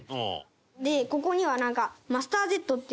でここにはなんかマスターゼットっていう。